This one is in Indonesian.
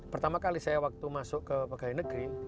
pertama kali saya waktu masuk ke pegawai negeri